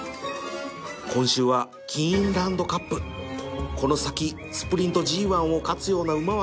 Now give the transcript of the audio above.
今週はキーンランドカップこの先スプリント ＧⅠ を勝つような馬は現れるのか